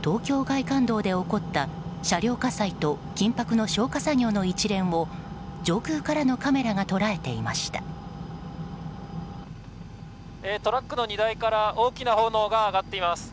東京外環道で起こった車両火災と緊迫の消火作業の一連を上空からのカメラがトラックの荷台から大きな炎が上がっています。